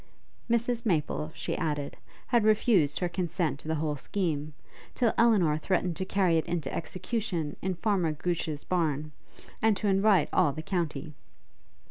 Mrs Maple, she added, had refused her consent to the whole scheme, till Elinor threatened to carry it into execution in Farmer Gooch's barn, and to invite all the county.